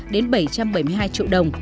đến bảy trăm bảy mươi hai triệu đồng